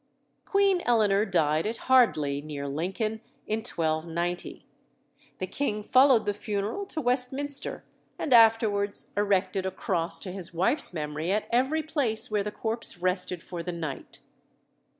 Queen Eleanor died at Hardley, near Lincoln, in 1290. The king followed the funeral to Westminster, and afterwards erected a cross to his wife's memory at every place where the corpse rested for the night.